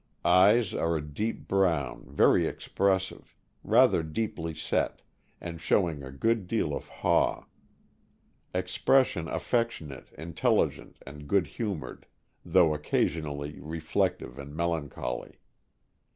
Eyes are a deep brown, very expressive, rather deeply set, and showing a good deal of haw; expres sion affectionate, intelligent, and good humored, though occasionally reflective and melancholy.